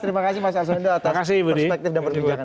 terima kasih mas arswendo atas perspektif dan perbincangan